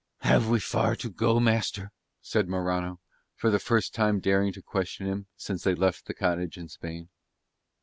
"Have we far to go, master?" said Morano, for the first time daring to question him since they left the cottage in Spain.